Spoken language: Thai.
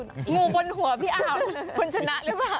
งูบนหัวคุณชนะหรือเปล่า